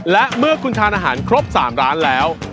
และเมื่อคุณทานอาหารครบ๓ร้านแล้ว